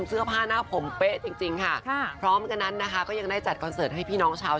เสื้อผ้าหน้าผมเป๊ะจริงจริงค่ะพร้อมกันนั้นนะคะก็ยังได้จัดคอนเสิร์ตให้พี่น้องชาว